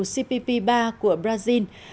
cpp ba của brazil